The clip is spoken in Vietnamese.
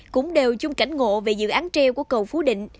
cũng đều chung cảnh ngộ về dự án treo của cầu phú định